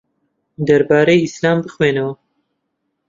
دەربارەی ئیسلام بخوێنەوە.